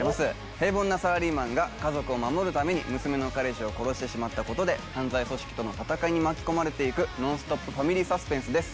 平凡なサラリーマンが家族を守るために娘の彼氏を殺してしまったことで犯罪組織との戦いに巻き込まれていくノンストップファミリーサスペンスです